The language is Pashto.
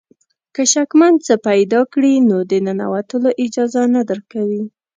که شکمن څه پیدا کړي نو د ننوتلو اجازه نه درکوي.